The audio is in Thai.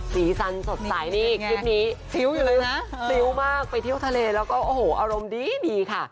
สีสันสดใสนี่คลิปนี้ฟิ้วอยู่เลยนะฟิ้วมากไปเที่ยวทะเลแล้วก็โอ้โหอารมณ์ดีค่ะ